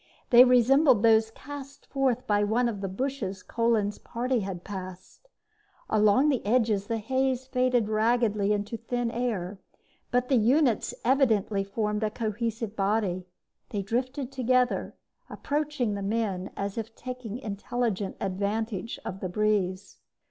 They resembled those cast forth by one of the bushes Kolin's party had passed. Along the edges, the haze faded raggedly into thin air, but the units evidently formed a cohesive body. They drifted together, approaching the men as if taking intelligent advantage of the breeze.